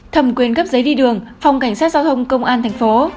thẩm quyền cấp giấy đi đường phòng cảnh sát giao thông công an thành phố